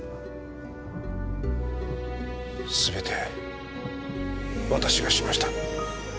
全て私がしました。